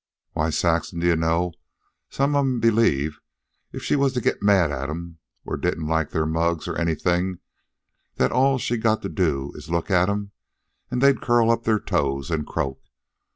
Why, Saxon, d'ye know, some of 'em believe if she was to get mad at 'em, or didn't like their mugs, or anything, that all she's got to do is look at 'em an' they'll curl up their toes an' croak.